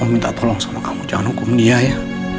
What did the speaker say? minta tolong sama kamu jangan hukum dia ya